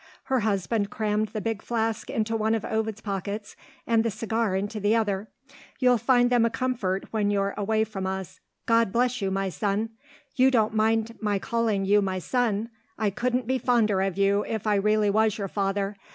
Her husband crammed the big flask into one of Ovid's pockets, and the cigars into the other. "You'll find them a comfort when you're away from us. God bless you, my son! You don't mind my calling you my son? I couldn't be fonder of you, if I really was your father.